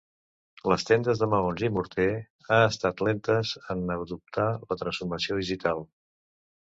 Les tendes de maons i morter ha estat lentes en adoptar la transformació digital.